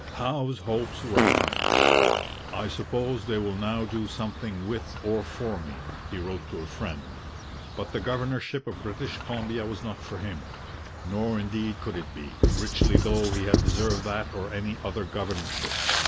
Howe's hopes were high. 'I suppose they will now do something with or for me,' he wrote to a friend. But the governorship of British Columbia was not for him. Nor indeed could it be, richly though he had deserved that or any other governorship.